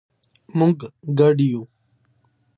مونږ ګډ یو